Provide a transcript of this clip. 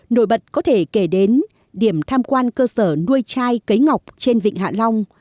nổi bật có thể kể đến điểm tham quan cơ sở nuôi trai cấy ngọc trên vịnh hạ long